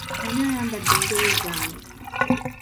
Ani ayambadde engoye zange?